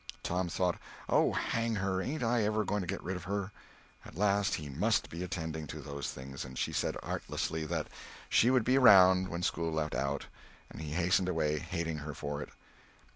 Tom thought, "Oh, hang her, ain't I ever going to get rid of her?" At last he must be attending to those things—and she said artlessly that she would be "around" when school let out. And he hastened away, hating her for it.